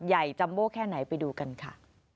ใหญ่จำโบแค่ไหนไปดูกันค่ะ